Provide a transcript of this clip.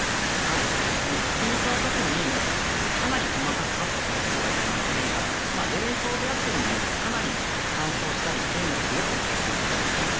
ひき肉は特にかなり細かくカットされている状態なので冷蔵であってもかなり乾燥したり鮮度がすごく落ちやすい状態なんですね。